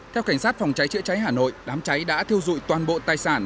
theo cảnh sát phòng cháy chữa cháy hà nội đám cháy đã thiêu dụi toàn bộ tài sản